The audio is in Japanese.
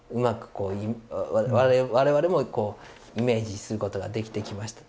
こう我々もこうイメージすることができてきました。